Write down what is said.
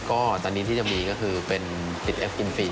ก็ตอนนี้ที่จะมีก็คือเป็นติดเอฟอินฟรี